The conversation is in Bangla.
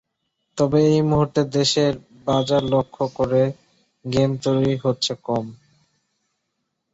তবে এ মুহুর্তে দেশের বাজার লক্ষ্য করে গেম তৈরি হচ্ছে কম।